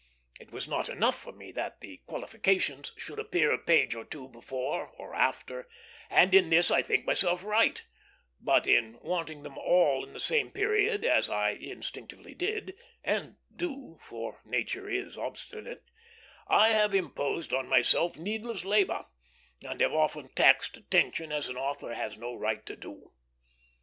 It was not enough for me that the qualifications should appear a page or two before, or after, and in this I think myself right; but in wanting them all in the same period, as I instinctively did, and do, for nature is obstinate, I have imposed on myself needless labor, and have often taxed attention as an author has no right to do.